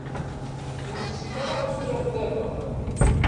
Ur tessin ara ad turar ddabex.